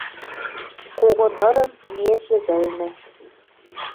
Кого нырын нержӹ вӹлнӹ